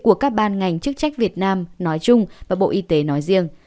của các ban ngành chức trách việt nam nói chung và bộ y tế nói riêng